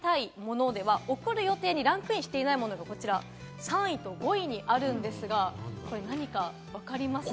一方、母親が子供からもらいたいものでは、贈る予定のものにランクインしていないものが３位と５位にあるんですが、一体何かわかりますか？